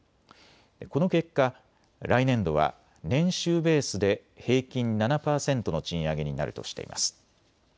この結果、来年度は年収ベースで平均７％の賃上げになるとしています。